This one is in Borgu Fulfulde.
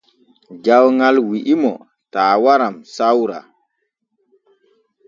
Jawŋal wi’imo taa waran sawra.